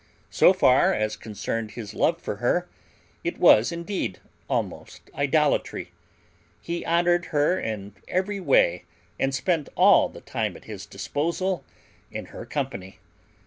So far as concerned his love for her, it was, indeed, almost idolatry. He honored her in every way and spent all the time at his disposal in her company.